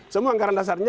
semua anggaran dasarnya